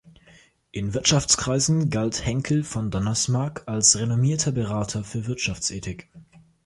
In Wirtschaftskreisen galt Henckel von Donnersmarck als renommierter Berater für Wirtschaftsethik.